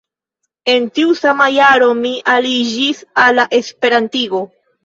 En tiu sama jaro, mi aliĝis al la esperantigo.